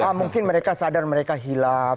oh namanya mungkin mereka sadar mereka hilaf